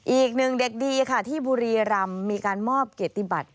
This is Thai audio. อีกหนึ่งเด็กดีค่ะที่บุรีรำมีการมอบเกียรติบัติ